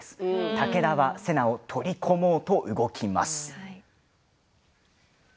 武田は瀬名を取り込もうと動きます。